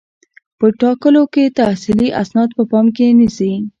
په ټاکلو کې تحصیلي اسناد په پام کې نیسي.